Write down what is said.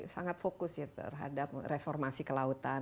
sangat fokus ya terhadap reformasi kelautan